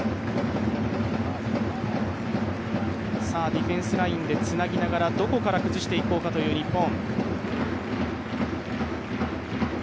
ディフェンスラインでつなぎながらどこから崩していこうかという日本。